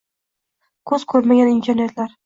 Ko‘z ko‘rmagan imkoniyatlar